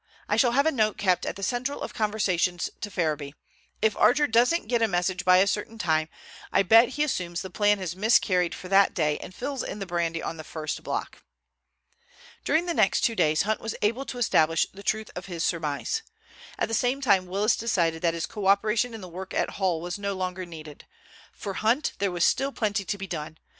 I shall have a note kept at the Central of conversations to Ferriby. If Archer doesn't get a message by a certain time, I bet he assumes the plan has miscarried for that day and fills in the brandy on the first block." During the next two days Hunt was able to establish the truth of his surmise. At the same time Willis decided that his co operation in the work at Hull was no longer needed. For Hunt there was still plenty to be done.